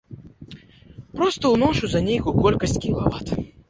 Проста ўношу за нейкую колькасць кілават.